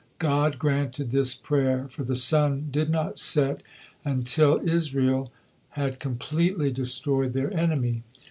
God granted this prayer, for the sun did not set until Israel had completely destroyed their enemy.